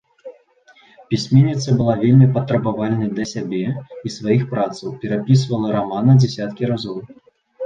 Пісьменніца была вельмі патрабавальнай да сябе і сваіх працаў, перапісвала рамана дзесяткі разоў.